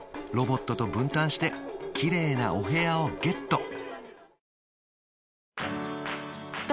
ロボットと分担してきれいなお部屋をゲット